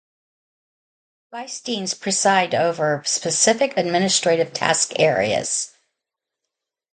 Vice deans preside over specific administrative task areas.